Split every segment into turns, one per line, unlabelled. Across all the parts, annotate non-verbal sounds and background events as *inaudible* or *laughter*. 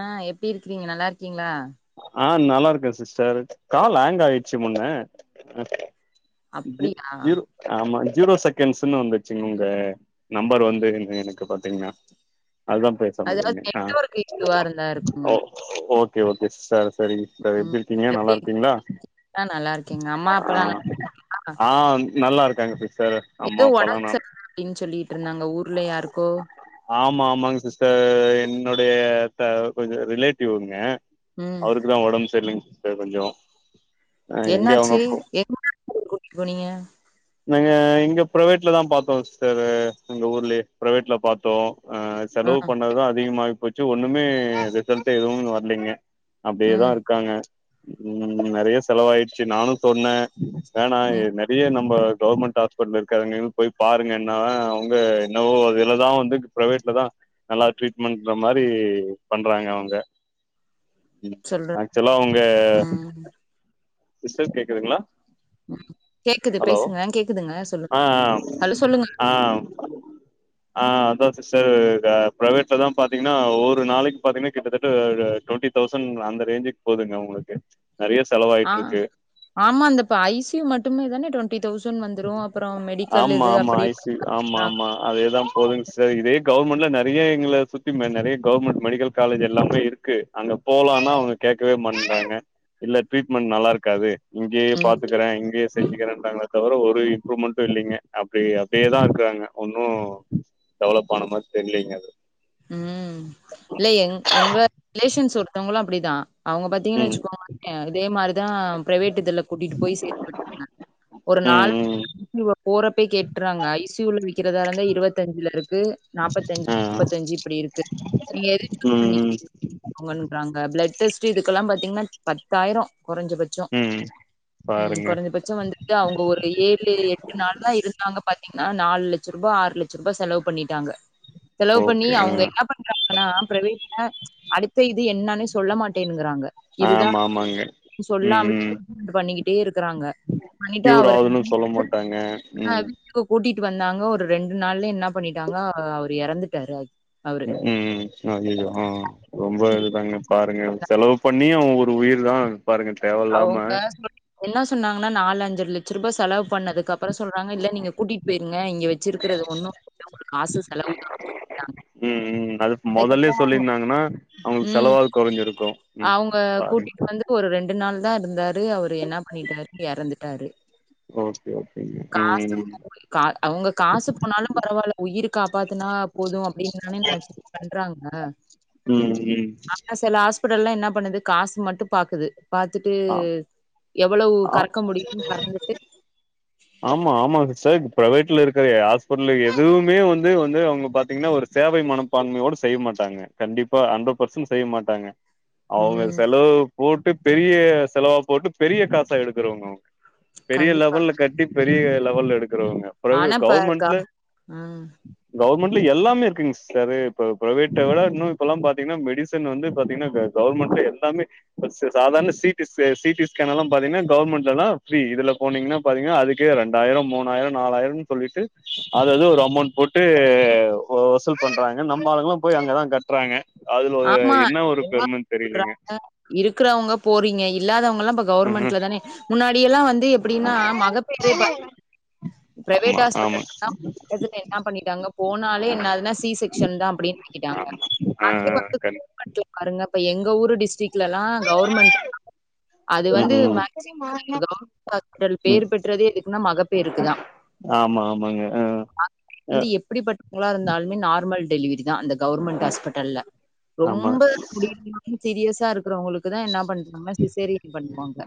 ஆ எப்டி இருக்கிறீங்க நல்லா இருக்கீங்களா
ஆ நல்லாருக்க சிஸ்டர் கால் ஹேங் ஆயிடுச்சு முன்ன ஜீ
அப்படியா?
ஜீரோ ஆமா ஜீரோ செகண்ட்ஸுன்னு வந்துச்சுங்க உங்க நம்பர் வந்து என் எனக்கு பாத்தீங்கன்னா அதுதா பேச
அதாவது
முடிலங்க ஆ
நெட்வொர்க் இஷ்யூவா இருந்தா இருக்குங்க.
ஓ ஓகே ஓகே சார் சரி சரி
ம்.
எப்படி இருக்கீங்க நல்லா
எப்டி?
இருக்கீங்களா
ஆ நல்லா இருக்கேங்க. அம்மா
ஆ
அப்பாலாம்
ஆ நல்லா இருக்கேங்க சிஸ்
எதோ ஒடம்பு சரியில்ல அப்டின்னு சொல்லிட்டு இருந்தாங்க ஊர்ல யாருக்கோ
ஆமா ஆமாங்க சிஸ்டர் என் என்னுடைய தா கொஞ்சோ ரிலேட்டிவ்ங்க
ம்.
அவருக்கு தா ஒடம்பு சர்லைங்க த கொஞ்சோ எங்க
என்னாச்சு
அவங்க
எந்த ஆஸ்ப்பிட்டலுக்கு கூட்டிட்டு போனிங்க
நங்க இங்க ப்ரைவேட்ல தா பாத்தோ சிஸ்டரு எங்க ஊர்லயே ப்ரைவேட்ல பாத்தோ ஆ
ஆ.
செலவு பண்ணதுதா அதிகமாயி போச்சு ஒண்ணுமே ரிசல்ட் எதுவு வர்லிங்க அப்டியேதா
ம்.
இருக்காங்க ம் நெறையா செலவாயிடிச்சு நானு சொன்னே வேணா எ
ம்.
நெறையா நம்ப கவுர்மெண்ட் ஹாஸ்பிட்டல் இருக்கார்லங்க அங்க போய் பாருங்கன்னா அவுங்க என்னவோ அதுலதா வந்து ப்ரேவேட்லா தா நல்லா ட்ரீட்மெண்டற மாரி பண்றாங்க அவுங்க
சொல்றேன்.
ஆக்சுவலா அவுங்க
ம்.
சிஸ்டர் கேக்குதுங்ளா
*inaudible*
ஹலோ
பேசுங்க. கேக்குதுங்க. சொல்லுங்க.
ஆ ஆம்
ஹலோ சொல்லுங்க.
ஆ ஆம் ஆ ஆ அதா சிஸ்டர் ஆ ப்ரைவேட்ல தா பாத்தீங்கன்னா ஒரு நாளைக்கி பாத்தீங்கன்னா கிட்டத்தட்ட டுவெண்டி தௌசண்ட் அந்த ரேஞ்சுக்கு போதுங்க அவுங்களுக்கு நெறையா செலவு
ஆ ஆமா இந்தப்ப ஐசியு மட்டுமே தானே டுவெண்
ஆமா ஆமா
அப்படி
ஐசியு
இப்படின்லாம்
ஆமா
சொல்றாங்க.
ஆமா அதேதா போதுங்க சிஸ்டர் இதே கா கவுர்மெண்ட்ல நெ டியே எங்கள சுத்தி நெறைய கவுர்மெண்ட் மெடிக்கல் காலேஜ் எல்லாமே இருக்கு அங்க போலான்னா அவுங்க கேக்கவே மாட் ட்றாங்க இல்ல ட்ரீட்மெண்ட் நல்லா இருக்காது இங்கேயே
ம்.
பாத்துக்குறே இங்கேயே செஞ்சுக்கிறேன்ட்டாங்கலா தவர ஒரு இம்ப்ரூவ்மெண்ட்டு இல்லிங்க அப்டி அப்டியேதா இருக்குறாங்க ஒன்னு டெவலப் ஆன மாரி தெர்லிங்க அது
ம் மத்தவங்களு அப்டிதா அவுங்க பாத்தீங்கன்னா
ம்
வச்சுக்கோங்களே இதே மாரிதா பிரைவேட் இதுல கூட்டிட்டு போய் சேத்து விட்டுருந்தாங்க ஒரு
ம்
நாள்
ம்
இவ போறப்பே கேட்டுறாங்க ஐ சி யூல விக்கிறதா இருந்தா இருவத்தஞ்சுல இருக்கு நாப்பத்தஞ்சு
ஆ
முப்பத்தஞ்சு இப்டி இருக்கு நீங்க எது சூஸ்
ம்
பண்ணிக்கீரிங்கன்றாங்க பிளட் டெஸ்ட் இதுக்கெல்லா பாத்தீங்கன்னா பத்தாயிரோ கொறஞ்சபட்சோ
ம்
உஹம்
பாருங்க
குறைஞ்சபட்ச வந்துட்டு அவங்க ஒரு ஏழு எட்டு நாள் தா இருந்தாங்க பா ஏன்னா நாலுலெட்ச ரூபா ஆறுலெட்ச ரூபா செலவு பண்ணிட்டாங்க செலவு பண்ணி
ஓகே ஆ
அவுங்க என்ன பண்றாங்கன்னா பிரவேட்ல அடுத்த இது என்னன்னே சொல்ல மாட்டேங்கிறாங்க இதுதா
ஆமா ஆமாங்க ம் ம்
சொல்லாமல் பண்ணிக்கிட்டே இருக்கறாங்க பண்ணிட்டா
கியூர்
அவரு
ஆகுதுன்னு சொல்ல
வீட்டுக்கு
மாட்டாங்க
ஆ
ம்
வீட்டுக்கு கூட்டிட் வந்தாங்க ஒரு ரெண்டு நாள்ல என்ன பண்ணிட்டாங்க அவரு இறந்துட்டாரு அய்
உம் அய்யய்யோ ஆ ரொம்ப இதுதாங்க பாருங்க செலவு பண்ணியு ஒரு உயிர் தா பாருங்க தேவ இல்லாம
சொன்னாங்கானா நாலஞ்சு லெட்சரூபா செலவு து பண்ணதுக்கு அப்றோ சொல்றாங்க இல்ல நீங்க கூட்டிட்டு போயிருங்க இங்க வச்சிருக்கிறது ஒன்னு ப காசு செலவுதா அப்டிடாங்
உம் அதுக் மொதல்லையே சொல்லிருந்தாங்கன்னா அவுங்கசெலவாது கொரஞ்சிருக்கு
அவுங்க கூட்டிட்டு வந்து ஒரு ரெண்டு நாள் தா இருந்தாரு அவரு என்ன பண்ணிட்டாரு எறந்துட்டாரு
ஓகே ஓகேங்க
காசு
ம்
கா அவுங்க காசு போனாலு பரவால்ல உயிருக் த்துன போது அப்டின்னுதானே நனச்சு பண்றாங்க
ம் ம்
ஆனா செல ஆஸ் ப்பட்டல்லா என்ன பண்ணுது காசு மட்டு பாக்குது பாத்துட்டு
ஆ
எவ்வளவு
ஆ
கறக்க முடியு கறந்துட்டு
ஆமா ஆமா சிஸ்டர் பிரவேட்ல இருக்குற ஹாஸ்பிட்டல் எதுவுமே வந்து வந்து அவுங்க பாத்தீங்கன்ன ஒரு சேவை மனப்பான்மையோடு செய்ய மாட்டாங்க கண்டிப்பா ஹண்டர்ட் பர்சன் செய்ய மாட்டாங்க அவுங்க
ம்.
செலவு போட் பெரிய செலவா போட்டு பெரிய காச எடுக்கறவங்க அவுங்க பெரிய
கண்டிப்பா.
லெவல்ல கட்டி பெரிய லெவல்ல எடுக்குறவங்க பிறகு
ஆனா இப்ப க
கவெர்மெண்ட்ல
ம்.
கவர்மெண்ட்ல எல்லாமே இருக்குங்சிஸ்டரெ இப்ப பிரைவேட்டவிட இன்னு இப்பல்லா பாத்தீங்ன்னா மெடிசன் வந்து பாத்தீங்ன்னா கவர்மெண்ட்ல எல்லாமே சாதார்ணா சிடி செ சிடி ஸ்கேன் எல்லா பாத்தீங்கனா கவர்மெண்ட்ல்லா தா ஃபிரீ இதுல போனீங்ன்னா பாத்தீங்கனா அதுக்கு ரெண்டாயிரோ மூணாயிரோ நாலாயிரோனு சொல்லிட்டு அதது ஒரு அமொண்ட் போட்டு வசூல் பண்றாங்க நம்ம ஆளுங்களு போய் அங்கதா கட்டுறாங்க அதுல ஒரு
ஆமா
என்ன ஒரு
ம்மா
பெருமன்னு தெரியலங்க
சொல்றாங்க இருக்கறவங்க போறீங்க இல்லாதவ புல்லாப்ப
ம்ஹும்
கவர்மெண்ட்ல தானே முன்னாடியெல்லா வந்து எப்டின்னா மகப்பெரு
ஆமா
பிரைவேட்
ஆமா
ஆஸ்பட்டல்தா இவர்திங் என்ன பண்ணிட்டாங்க போனாலே என்னதுன்னு சி செக்சன் தா அப்டின்னு ஆக்கிட்டாங்க
உம் ஆ கண்
பட்டி பாருங்க எங்க ஊரு டிஸ்ட்ரிக்லயெல்லா கவர்மெண்ட் அது வந்து
ம்
மேக்சிமம்
ம்
கிரோ ஹாஸ்பிடல்
ம்
பேர் பெற்றதே எதுக்குனா மகப்பேருக்குதா
ஆமா ஆமாங்க
ஆ
ஆ
எப்டிப்பட்டவங்களா இருந்தாலுமே நார்மல் டெலிவெரி இதா அந்த கவர்மெண்ட் ஹாஸ்பிட்டல்
ஆமா
ரொம்ப முடிலைனா சீரியஸா இருக்கறவங்களுக்கு தா என்ன பண்றாங்க சிசேரியன் பண்ணுவாங்க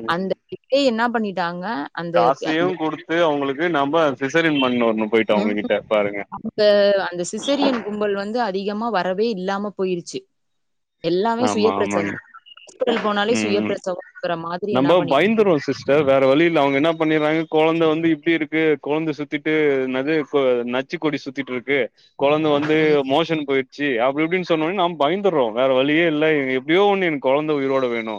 ம்
அந்த இதே என்ன பண்ணிட்டாங்க அந்த
காசையு
அந்த
குடுத்து அவுங்களுக்கு நம்ம சிசரின் பன்னொன்னு போயிட்டு
ம்
அவுங்ககிட்ட பாருங்க
அந்த அந்த சிசரியன் கும்பல் வந்து அதிகமா வரவே இல்லாம போயிருச்சு எல்லாமே சுயபிரெச்சவோ
உம்
மாதிரி என்ன
நம்ம
பண்ணிட்டாங்க
பயந்தருவோ சிஸ்டர் வேற வழியில்ல அவங்க என்ன பண்னிறாங்க கொழந்த வந்து இப்டி இருக்கு கொழந்த சுத்திட்டு நது நச்சு கொடி சுத்திட்டுருக்கு கொழந்த வந்து
ம்
மோஷன் போயிட் சீ அப்டி இப்டின்னு சொன்னோனே நாம்ப பயந்தர்றோ வேற வழியே இல்ல எப்டியோ ஒண்ணு எனக்கு கொழந்த உயிரோட வேணு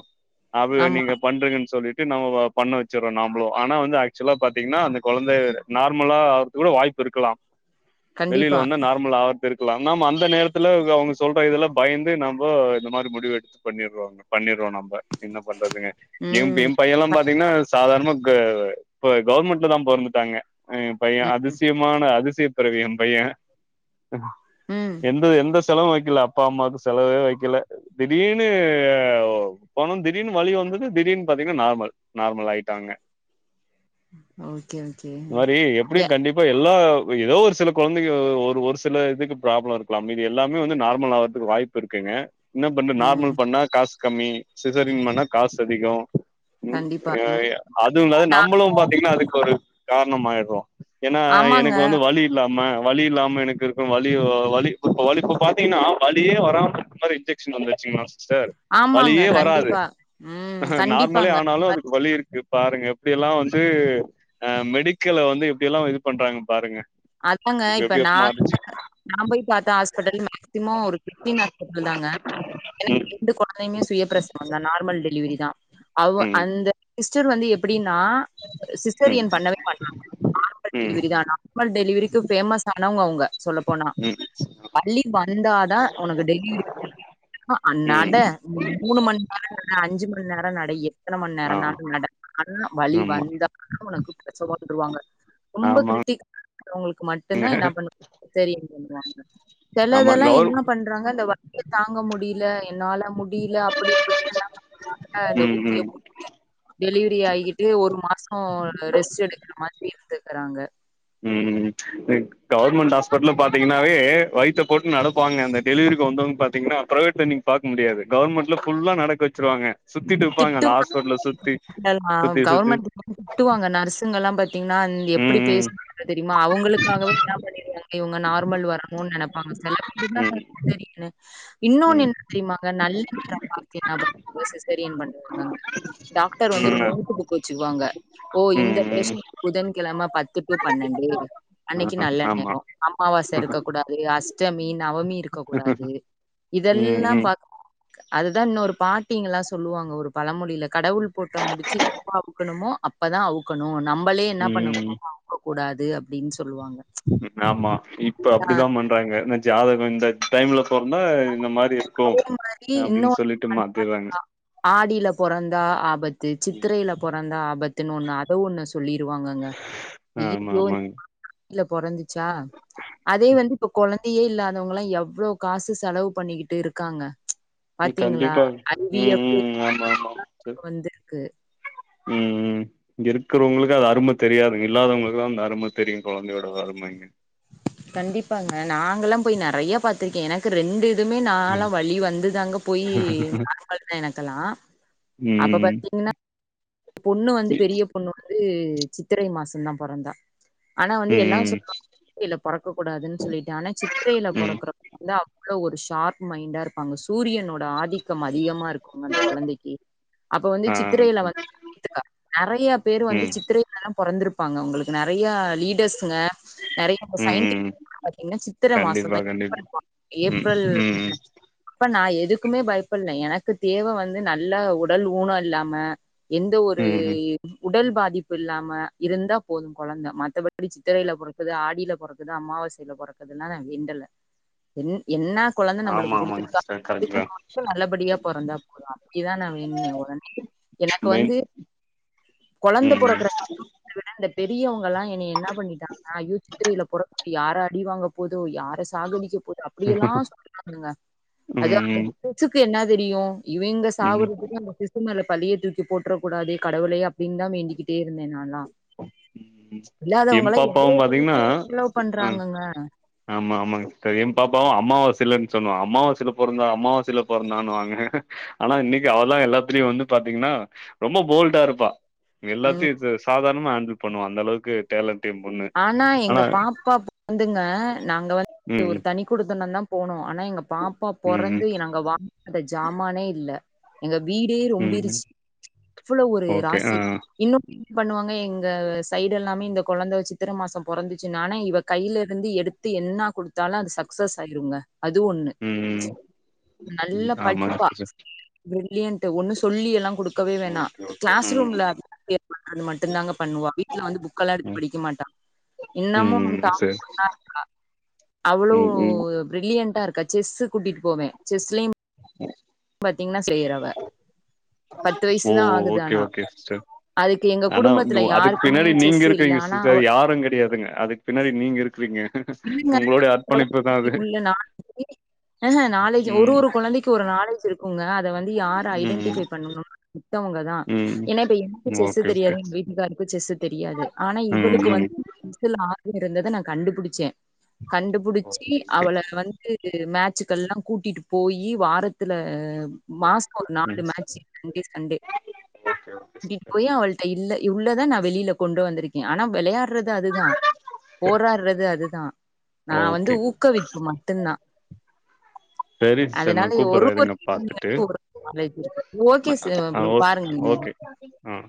அது
ஆமா
நீங்க பண்ரிங்கன்னு சொல்லிட் நம்ம பண்ண வச்சர்றோ நாமளு ஆனா வந்து ஆக்சுலா பாத்தீங்ன்னா அந்த கொழந்த நார்மலா ஆவ்ரதுகூ வாய்ப் புருக்கலா வெளில
கண்டிப்பா
வந்த நார்மலா ஆகிருக்கலா நம் அந்த நேரத்துல அவங்க சொல்ற இதுல பயந்து நம் ரொம்ப இந்த மாரி முடிவெடுத்து பண்ணிர்வாங்க பண்ணிருவோ நம்ம என்ன பண்றதுங்க எம்
ம்
எம் பையன்லா பாத்தீங்ன்னா சாதார்ணம் இப்ப இப்ப கவர்மெண்ட்ல தா பொறந்துட்டாங்க எம்பைய
ம்
அதிசயமான அதிசய பெறவி எ பைய
ம்
எந்த எந்த செலவு வெக்கல அப்பாம்மாக்கு செலவே வெக்க கல திடீர்னுு போனோ திடீர்னு வழி வந்துது திடீர்னு பாத்தீங்ன்னா நார்மல் நார்மல் ஆய்ட்டாங்க
ஓகே ஓகே
மாரி எப்படியு
எ
கண்டிப்பா எல்லா ஏதோ ஒரு சில கொழந்தைங்க ஒரு ஒரு சில இதுக்கு ப்ராப்ளம் இருக்கலாம் மேபீ எல்லாமே வந்து நார்மல் ஆவறதுக்கு வாய்ப்பு இருக்குங்க என்ன பண்றது
ம்
நார்மல் பண்ணா காஸ் கம்மி சிசரின் பண்ணா காசு அதிகோ ம்
கண்டிப்பா
எ
ம்
அதுவு
நா
நம்மளு பாத்தீங்ன்னா அதுக்கு ஒரு காரணமாயிர்றோ ஏன்னா
ஆமாங்க
எனக்கு வந்து வலி இல்லாம வலி இல்லாம எனக்கு இருக்கணு வலி வலி இப்ப வலிப்ப பாத்தீங்கன்னா வழியே வரா மாதரி இன்ஜெக்ஷன் வந்துச்சுங்க சார்
ஆமாங்க
வழியே வராது
கண்டிப்பா ம்
அ நார்மலே
கண்டிப்பாங்க
ஆனாலு அதுக்கு வழி இருக்கு பாருங்க இப்படில்லா வந்து அ மெடிக்கல வந்து இப்டியல்லா இது பண்றாங்க பாருங்க
அதாங்க இப்ப
எப்டியோ
நா
மாறிச்சு
நா போய் பாத்த ஹாஸ்பிட்டல் மேக்சிமம் ஒரு ஹாஸ்பல் தாங்க எனக்கு
ம்
ரெண்டு கொழந்தையுமே சுயப்பிரசவந்தா நார்மல் டெலிவரி தா அவ
ம்
அந்த சிஸ்டர் வந்து எப்படின்னா சிஸ்டர்
ம்
என் பண்ணவே பண்ணல நார்மல்
ம்
டெலிவரி தானா மல் டெலிவரிக்கு ஃபேமஸ் ஆனவங்க அவங்க சொல்ல போனா
ம்
வலி வந்தாதா ஒனக்கு டெலிவரி
ம்
அன்னாடம் மூணுமண்நேர அஞ்சு மண்நேர நடைய எத்தனை மண்
ஆ
நேரம்னாலு நடா வழி
ஆமா
வந்த உனக்கு பிரசவம்ன்ருவாங்க ரொம்ப
ஆமா
கிரிட்டிக்கலவங்களுக்கு மட்டுந்தா என்ன பண்ணுவா சீசரியன் பண்ணுவாங்க
ஆமா
சிலதெல்லா
கவர்
என்ன பண்றாங்க இந்த வலிய தாங்க முடியல என்னால முடியல அப்டி இப்டி சொல்லா ஆ இந்த
ம்
ஊத்திய
ம்
போ டெலிவரி ஆககிட்டு ஒரு மாச ரெஸ்ட் எடுக்கற மாதிரி இருத்துக்கறாங்க
ம் எனக் கா அல்மண்டாஸ் பாத்தீங்கன்னாவே வைத்த போட்டு நடப்பாங்க அந்த டெலிவரிக்கு வந்தங்க பாத்தீன்னா பிரவேட்ல நீ பா முடியாது கவர்மெண்ட்ல புல்லா நடக்க வச்சிருவாங்க சுத்திட்டு இருப்பாங்க அந்த
திட்டுவா
ஹாஸ்பிட்டல சுத்தி சுத்தி சுத்தி
கவுவர்மெண்ட் திட்டுவாங்க நர்ஸுங்கல்லா பத் த்தீங்கன்னா
ம்
எப்படி பேச
ம்
தெரியுமா அவங்களுக்காகவே என்ன பண்ணிருங்க இவங்க நார்மல் வரணும்னு நெனைப்பாங்க சில பேர் இருந்தா
ம்
தெரியு இன்னொன்னு
ம்
என்ன தெரியுமாங்க நல்ல நேர பாத்தினா பண்ணுவா சிசரிய பண்ணுவாங்க அங்க டாக்டர் வந்து ஒரு
ம்
நோட்டு புக் வச்சுக்குவாங்க ஓ இந்த
ம்
பேஷண்டட் புத கெழமை பத்து டு பன்னெண்டு அ அன்னைக்கு
ம்
நல்ல நேர
ஆமா
அமாவாசை இருக்க கூடாது அஷ்டமி நவமி இருக்க கூடாது
ம்
இதெல்லாம்
ம்
பா அதுதா இன்னொரு பாட்டிங்கலா ஸ் சொல்லுவாங்க ஒரு பழமொழியில் கடவுள் போட்ட முடிச்சு எப்ப அவுக்கணுமோ அப்பதா அவுக்கணு நம் நம்மளே என்னா
ம்
பண்ணக்கூடாது அவஙகக் கூடாது அப்டின்னு சொ
ஆமா இப்ப
ஆ
அப்படித்தா பண்றாங்க ந ஜாதக இந்த டைம்ல சொந்தா இந்த மாதிரி இருக்கு
அதே மாரி
அப்படின்னு
இன்னொன்னு
சொல்லிட்டு மாத்திறாங்க
ஆடியில பொறந்தா ஆபத்து சித்திரையில பொறந்தா ஆபத்துன்னு ஒண்ணு அத ஒண்ணு சொல்லிருவாங்கங்க க
ஆமாமாங்க
ல பொறந்துச்சா அதே வந்து இப்ப கொழந்த டியே இல்லாதவங்கல்லா எவ்வளவு காசு செலவு பண்ணிக்கிட்டு இருக்காங்க
ம்
பாத்தீங்களா
கண்டிப்பா
ஐ வி
ம்
எப்
ம் ஆமா ஆமா சரி
*inaudible* வந்துருக்கு
ம் ம் இருக்கறவங்ளுக்கு அது அரும தெரியாது இல்லாதவங்ளுக்குதா அந்த அரும தெரியு கொழந்தையோட அரும பைய
கண்டிப்பாங்க நாங்கல்லாம் போய் நறைய பாத்துருக்கே எனக்கு ரெண்டு இதுமே நாளா வழி வந்துதாங்க போயி நார்மல் தா எனக் கலா
ம்
பொண்ணு வந்து பெரிய பொண்ணு வந்து சித்திரை மாசந்தா பொறந்தா ஆனா வந்து எல்லா
ம்
சொல்வாங்க சித்திரைல பொறக்க கூடாதுன் சொல்லிட்டு ஆனா சித்திரைல
ம்
பொறக்கற கொழந்த அவ் ளோ ஒரு ஷார்ப் மைண்டா இருப்பாங்க சூரியனோட ஆ திக்கம் அதிகமா இருக்குங்க அந்த கொழந்தைக்கு அப்ப வந்து
ஆ
சித்திரையில
ம்
வந் நறையா பேரு வந்து
ம்
சித்திரையில தா பொறந்திருப்பாங்க அவுங்களுக்கு நறையா லீடர்ஸ் குங்க நறைய இந்த சயின்டி
ம்
பாத்திங்னா சித்திர
கண்டிப்பா
மாசந்தா *inaudible*
கண்டிப்பா ம்
ஏப்ரல்
ம்
அப்டிதான நா எ துக்குமே பயப்படுல எனக்கு தேவ வந்து நல்ல உடல் ஊன இல்லாம எந்த ஒரு
ம் ம்
உடல் பாதிப்பு இல்லாம இருந்தா போது கொழந்த மத்தப படி சித்திரைல பொறக்குது ஆடில பொறக்குது அமாவாசைல பொறக்குதுன் நா வேண்டல என் என்னா கொழந்த
ஆமா
நம்முளுக்கு
ஆமாங்க
குடுத்துருக்கா *inaudible*
சார், கரெக்ட் தான்
கு நல்லபடியா பொறந்தா போது அப்டிதா நா வேண்டுன ஒடனே எனக் க்
மெயின்
வந்து கொழந்த
ம்
பொறக்கற *inaudible* ந்த பெரியவுங்கலா எனய என்ன பண்ணிட்டாங்கனா ஐயோ சித்திரையில பொறக்குது யார அடிவாங்க போதோ யார சாகடிக்க போது அப்டியெல்லா சொன்னாங்கங்க அது
ம்
அந்த *inaudible* என்னா தெரியு இவிங்க
ம் ம்
சாவறதுக்கு அந்த சிசு மேல பழிய தூக்கி போட்ற கூடாதே கடவுளே அப் டின் தா வேண்டிகிட்டே இருந்தே நாலா
ம் எம்பாப்பாவு பாத்திங்கனா
எவ்ளோ
அ
பண்றாங்கங்க
ஆமா ஆமாங்க ப்ப எம்பாப்பாவு அம்மாவாசைல சொல்வாங் அம்மாவாசைல பொறந்தா அம்மாவாசைல பொறந்தான் வாங்க ஆனா இன்னைக்கு அவதா எல்லாத்துலயு வந்து பாத்திங்னா னா ரொம்ப போல்டா இருப்பா
ம்
எல்லாத்தையு ச சாதாரணமா ஹேண்டில் பண்ணுவா அந்தளவுக்கு டேலண்
ஆனா எங்க பாப்பா பொறந்துங்க நாங்க வந்து
ம்
ஒரு தனி குடித்தனந்தா போனோ ஆனா எங்க பாப்பா
ம் ம்
பொறந்து நாங்க வாங்காத ஜாமானே இல்ல எங்க வீடே
ம் ம்
ரொம்பிருச்சு அவ்ளோ ஒரு
ஓகே ஆ
ராசி இன்னு ஃபீல் பண்ணுவாங்க எங்க சைடு எல்லாமே இந்த கொழந்த சித்திர மாச பொறந்துச்சுன் ஆனா இவ கையிலிருந்து எடுத்து என்னா குடுத் தாலு அது சக்சஸ் ஆயிருங்க அது ஒண்ணு
ம் ம்
நல்ல
ம் ஆமாங்க
படிப்பா
சிஸ்டர்
ப்ரிலியன்ட்டு ஒன்னு சொல்லியெல்லா குடு க்கவே வேணா
ஓகே ஓகே
கிளாஸ்
ம்
ரூம்ல *inaudible* மட்டுந்தாங்க பண்ணுவா வீட்ல வந்து புக்கெல்லா எடுத்து
ம்
படிக்க மாட்டா இன்னமும்
ம் ம் சரி
டாப்பராதா இருக்கா அவ்ளோ
ம் ம்
ப்ரில்லியன்ட்டா இருக்கா செஸ்க் கூட்டிட்டு போவே செஸ்லயு பாத்திங்னா செய்யறவ பத்து
ஓ
வயுசுதா ஆகுது
ஓகே
ஆனா
ஓகே சிஸ்டர்
அதுக்கு எங்க
ஆனா நு
குடும்பத்துல
அதுக்கு
யாருக்குமே
பின்னாடி நீங்க
செஸ் இல்ல
இருக்கிறீங்க
ஆனா அவ
சிஸ்டர் யாரும் கெடையாதுங்க அதுக்கு பின்னாடி நீங்க இருக்கிறீங்க
இல்லங்க
உங்களுடைய அர்ப்பணிப்பு தா அது
*inaudible* ஏ ஹே நாலேஜ் ஒரு
ம்
ஒரு கொழந்தைக்கு ஒரு நாலேஜ் இருக்குங்க அத வந்து யாரு
ம்
ஐடென்டிஃபை பண்ணணு த்தவங்கதா
ம்
ஏனா இப்ப எனக்கு
ம்
செஸ்ஸு
ஓகே
தெரியாது
ஓகே
எங்க வீட்டுக்காருக்கு செஸ்ஸு தெரியாது ஆனா
ம்
இவுளுக்கு வந்
ம்
*unintelligible* இருந்தத நா கண்டுபுடிச்சே கண்டுபுடிச்சி
ஓகே ஓகே
அவள வந்து மே ட்ச்கல்லா கூட்டிட்டு போயி வாரத் துல மாச ஒரு நாலு
ம்
match Sunday Sunday
okay okay sister
கூட்டிட்டு போயி அவள்ட்ட இல்ல உள்ளத நா வெளியில கொண்டு வந்திருக்கே ஆனா வெளையாட் றது அதுதா போராடறது அதுதா நா வந்து
ஓகே
ஊக்கவிப்பு மட்டுந்தா
செரி சிஸ்டர் நா
அதனால
கூப்புற
ஒரு
பாத்துட்டு
ஒரு நாலேஜ் இருக்கும் ஓகே சி
நா
ப்ரோ
ஓகே
பாருங்க நீங்க
ஓகே ஆ